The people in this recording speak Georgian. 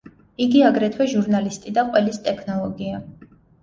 იგი აგრეთვე ჟურნალისტი და ყველის ტექნოლოგია.